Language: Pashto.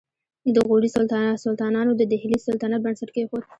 د غوري سلطانانو د دهلي سلطنت بنسټ کېښود